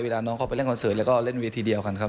น้องเขาไปเล่นคอนเสิร์ตแล้วก็เล่นเวทีเดียวกันครับ